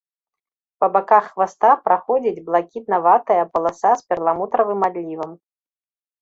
Па баках хваста праходзіць блакітнаватая паласа з перламутравым адлівам.